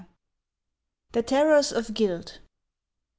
THE TERRORS OF GUILT.